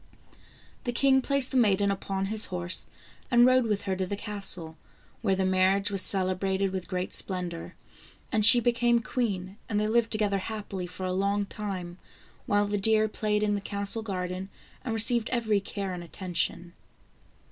The king placed the maiden upon his horse and rode with her to the castle, where the marriage was celebrated with great splendor, and she became queen, and they lived to gether happily for a long time, while the deer played in the castle garden and received every care and attention.